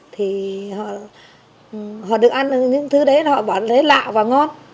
thì họ được ăn những thứ đấy họ bảo lấy lạ và ngon